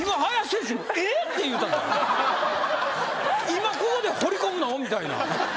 今ここで放り込むの？みたいな。